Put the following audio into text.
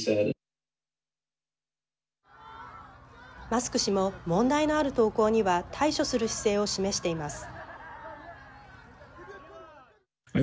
マスク氏も問題のある投稿には対処する姿勢を示しています。